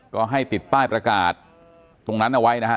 ก็ให้ติดป้ายประกาศตรงนั้นเอาไว้นะฮะตรงป้ายประกาศตรงนี้ก็ติดป้ายไว้ว่า